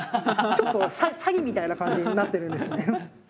ちょっと詐欺みたいな感じになってるんですね。